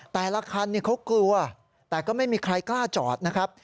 แต่ละคันเขากลัวแต่ก็ไม่มีใครกล้าจอดนะครับ